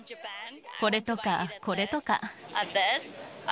これとか、これとか。